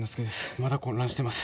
まだ混乱してます。